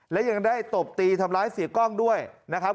และยังได้ตบตีทำร้ายเสียกล้องด้วยนะครับ